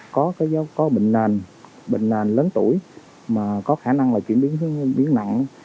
có bệnh nền bệnh nền lớn tuổi mà có khả năng là chuyển biến nặng